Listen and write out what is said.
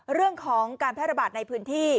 เรื่องของการแพร่ระบาดในพื้นที่